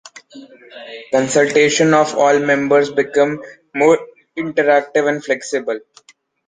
Consultations of all members become more interactive and flexible.